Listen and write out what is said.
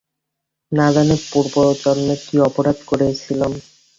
না জানি পূর্বজন্মে কী অপরাধ করিয়াছিলাম!